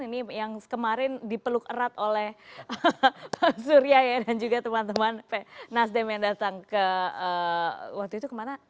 ini yang kemarin dipeluk erat oleh pak surya ya dan juga teman teman nasdem yang datang ke waktu itu kemana